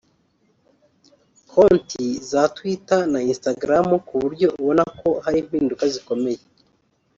Konti za Twitter na Instagram ku buryo ubona ko hari impinduka zikomeye